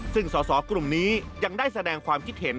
ซึ่งสอสอกลุ่มนี้ยังได้แสดงความคิดเห็น